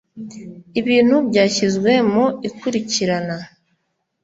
ibintu byashyizwe mu ikurikirana